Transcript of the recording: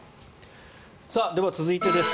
では、続いてです。